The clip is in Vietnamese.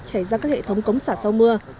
chảy ra các hệ thống cống xả sau mưa